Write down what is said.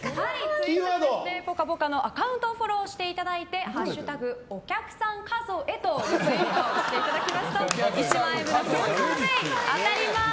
ツイッターで「ぽかぽか」のアカウントをフォローしていただいて「＃お客さん数え」とリツイートしていただきますと１万円分のＱＵＯカードが当たります。